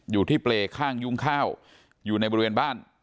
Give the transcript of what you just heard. อยู่ที่เปรย์ข้างยุ่งข้าวอยู่ในบริเวณบ้าน